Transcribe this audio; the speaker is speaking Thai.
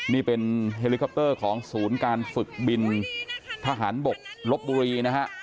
นี่เป็นเฮลิคอปเตอร์ของศูนย์การฝึกบินทหารบกลบบุรีนะฮะ